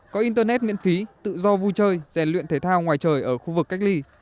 có internet miễn phí tự do vui chơi rèn luyện thể thao ngoài trời ở khu vực cách ly